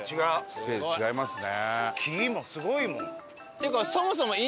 スケール違いますね。